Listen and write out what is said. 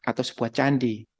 atau sebuah candi